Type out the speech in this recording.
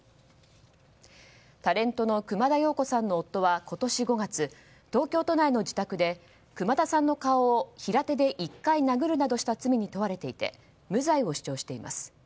タレントの熊田曜子さんの夫は今年５月東京都内の自宅で熊田さんの顔を平手で１回殴るなどをした罪に問われていて無罪を主張しています。